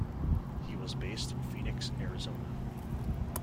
He was based in Phoenix, Arizona.